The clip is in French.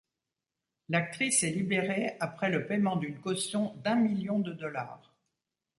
L'actrice est libérée après le paiement d'une caution d'un million de dollars.